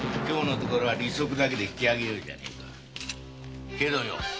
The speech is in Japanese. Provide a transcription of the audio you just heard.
今日のところは利息だけで引き上げよう。